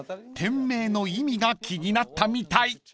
［店名の意味が気になったみたい］